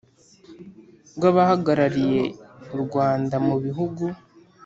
g Abahagarariye u Rwanda mu bihugu